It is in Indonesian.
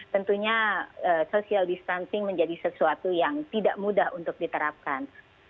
tentunya social distancing menjadi sesuatu yang tidak mudah untuk diterapkan